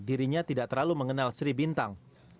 dirinya tidak terlalu mengenal sri bintang